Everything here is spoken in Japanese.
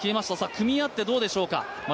組み合ってどうでしょうか。